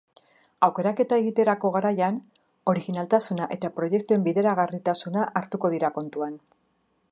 Aukeraketa egiterako garaian originaltasuna eta proiektuen bideragarritasuna hartuko dira kontuan.